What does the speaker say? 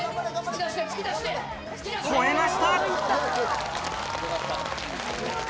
越えました！